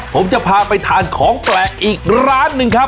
ผมจะพาไปทานของแปลกอีกร้านหนึ่งครับ